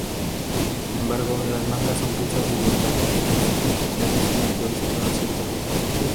Sin embargo las mangas son piezas de desgaste que deben sustituirse cada cierto tiempo.